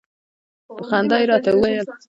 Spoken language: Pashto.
په خندا يې راته وویل.